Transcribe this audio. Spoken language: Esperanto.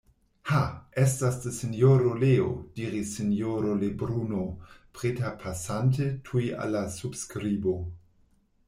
Ha! estas de Sinjoro Leo, diris Sinjoro Lebruno preterpasante tuj al la subskribo.